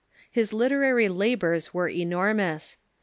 His literary labors Avere enormous.